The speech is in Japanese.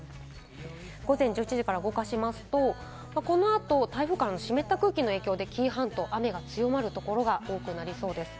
午前１１時から動かしますと、このあと台風からの湿った空気の影響で紀伊半島、雨が強まるところが多くなりそうです。